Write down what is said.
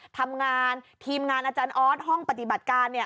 ทำงานทีมงานอาจารย์ออสห้องปฏิบัติการเนี่ย